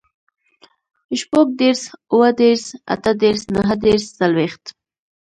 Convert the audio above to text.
شپوږدېرس, اوهدېرس, اتهدېرس, نهدېرس, څلوېښت